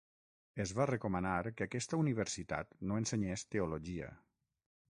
Es va recomanar que aquesta universitat no ensenyés teologia.